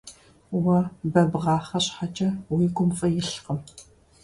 Уэ бэ бгъахъэ щхьэкӀэ, уи гум фӀы илъкъым.